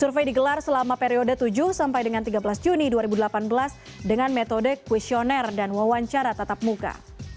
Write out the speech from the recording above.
survei digelar selama periode tujuh sampai dengan tiga belas juni dua ribu delapan belas dengan metode questionnaire dan wawancara tatap muka